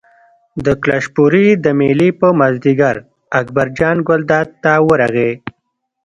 د کلشپورې د مېلې په مازدیګر اکبرجان ګلداد ته ورغی.